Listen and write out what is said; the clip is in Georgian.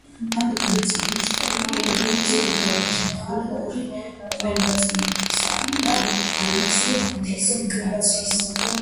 ამათგან საბჭოთა პერიოდს გადაურჩა მხოლოდ ორი: ყველაწმინდისა და ალექსი ღვთისკაცის.